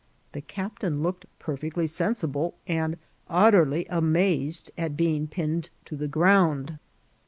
The captain looked perfectly sensible, and utterly amazed at being pinned to the ground.